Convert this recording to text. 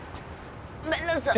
ごめんなさい